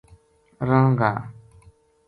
رہاں گا